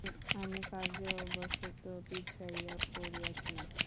আমি কার্যবশত পিছাইয়া পড়িয়াছিলাম।